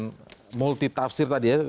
dan multitafsir tadi ya